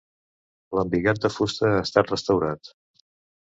L'embigat de fusta ha estat restaurat.